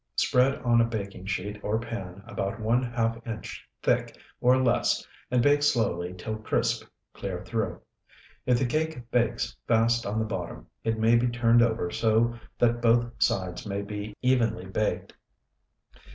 Spread on a baking sheet or pan about one half inch thick or less and bake slowly till crisp clear through. If the cake bakes fast on the bottom, it may be turned over so that both sides may be evenly baked.